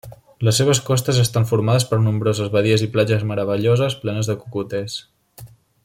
Les seves costes estan formades per nombroses badies i platges meravelloses plenes de cocoters.